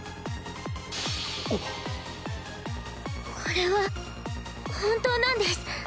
これは本当なんです。